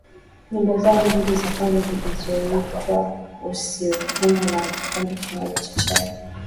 Nyimbo zao mbili za kwanza zilizoitwa usihukumu na kikombe kimoja cha chai